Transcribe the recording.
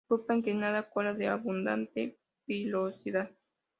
Grupa inclinada, cola de abundante pilosidad.